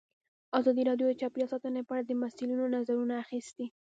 ازادي راډیو د چاپیریال ساتنه په اړه د مسؤلینو نظرونه اخیستي.